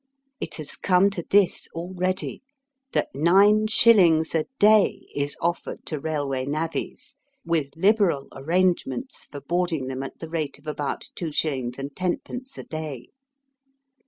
It has come to this already, that 9s. a day is offered to railway navvies, with liberal arrangements for boarding them at the rate of about 25. lOd. a day.